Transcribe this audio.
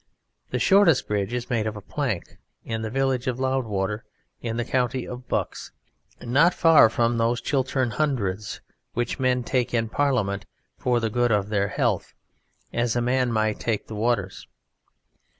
The shortest bridge is made of a plank, in the village of Loudwater in the county of Bucks, not far from those Chiltern Hundreds which men take in Parliament for the good of their health as a man might take the waters.